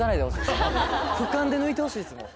俯瞰で抜いてほしいですもう。